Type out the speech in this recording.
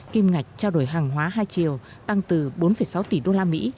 kim ngạch trao đổi hàng hóa hai chiều tăng từ bốn sáu tỷ đô la mỹ